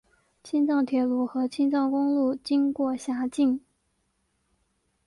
青藏铁路和青藏公路经过辖境。